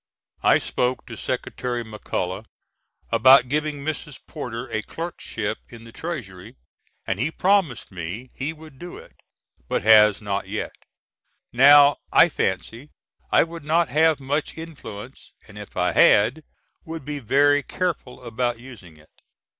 I spoke to Secretary McCulloch about giving Mrs. Porter a clerkship in the Treasury and he promised me he would do it, but has not yet. Now, I fancy, I would not have much influence, and if I had, would be very careful about using it.